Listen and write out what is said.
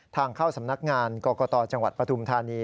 ทางเข้าสำนักงานกรกตจังหวัดปฐุมธานี